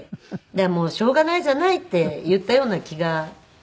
もうしょうがないじゃないって言ったような気がしましたね。